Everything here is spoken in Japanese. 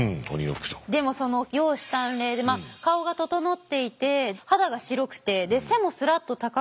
でも容姿端麗で顔が整っていて肌が白くて背もすらっと高くて。